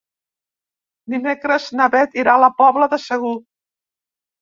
Dimecres na Bet irà a la Pobla de Segur.